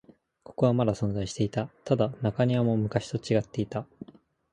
ここはまだ存在していた。ただ、中庭も昔と違っていた。